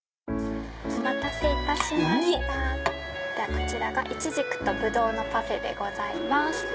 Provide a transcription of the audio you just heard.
こちらがいちじくとぶどうのパフェでございます。